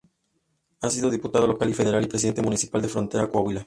Ha sido Diputado local y Federal, y Presidente Municipal de Frontera, Coahuila.